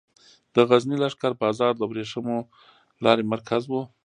د غزني لښکر بازار د ورېښمو لارې مرکز و